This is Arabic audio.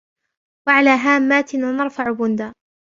وعلى هاماتنا نرفع بندا